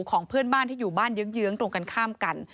ของเพื่อนบ้านที่อยู่บ้านเยื้องตรงกันข้ามกัน